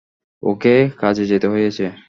ওকে কাজে যেতে হয়েছে।